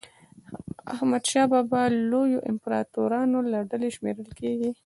حمدشاه بابا د لویو امپراطورانو له ډلي شمېرل کېږي.